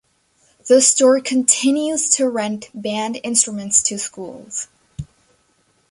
The store continues to rent band instruments to schools.